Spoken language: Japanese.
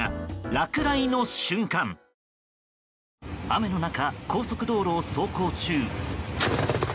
雨の中、高速道路を走行中。